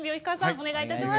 おねがいします。